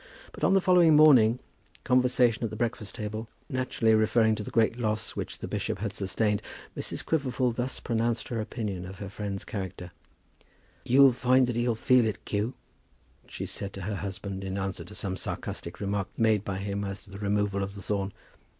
But on the following morning, conversation at the breakfast table naturally referring to the great loss which the bishop had sustained, Mrs. Quiverful thus pronounced her opinion of her friend's character: "You'll find that he'll feel it, Q.," she said to her husband, in answer to some sarcastic remark made by him as to the removal of the thorn.